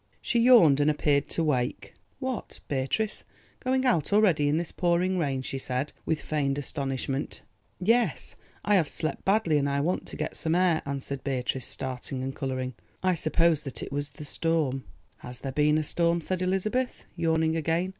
She yawned and appeared to wake. "What, Beatrice, going out already in this pouring rain?" she said, with feigned astonishment. "Yes, I have slept badly and I want to get some air," answered Beatrice, starting and colouring; "I suppose that it was the storm." "Has there been a storm?" said Elizabeth, yawning again.